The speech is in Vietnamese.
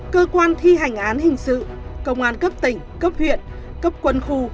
cơ quan thi hành án hình sự công an cấp tỉnh cấp huyện cấp quân khu